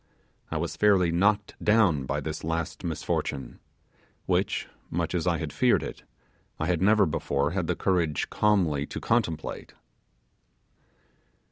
I was fairly knocked down by this last misfortune, which, much as I had feared it, I had never before had the courage calmly to contemplate.